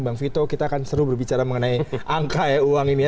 bang vito kita akan seru berbicara mengenai angka ya uang ini ya